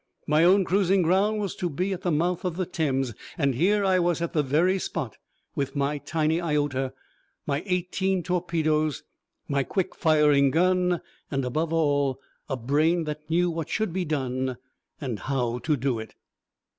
My own cruising ground was to be at the mouth of the Thames, and here I was at the very spot with my tiny Iota, my eighteen torpedoes, my quick firing gun, and, above all, a brain that knew what should be done and how to do it.